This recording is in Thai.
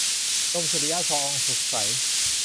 สมสุริยะ ทองสุกใส